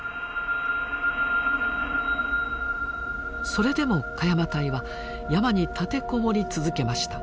それでも鹿山隊は山に立てこもり続けました。